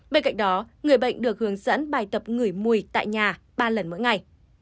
bên cạnh đó người bệnh được hướng dẫn bài tập ngửi mùi tại nhà ba lần mỗi ngày